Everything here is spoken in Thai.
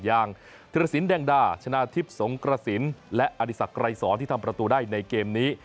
อย่างเทรศิลป์แดงดาชนะทิพย์สงครสินทร์และอธิษฐกรายสอนที่ทำประตูได้ในเกมนี้